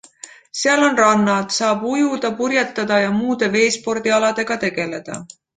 Seal on rannad, saab ujuda, purjetada ja muude veespordialadega tegeleda.